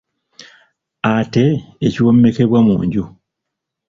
Ate ekiwomekebwa mu nju?